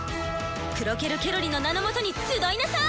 クロケル・ケロリの名のもとに集いなさい！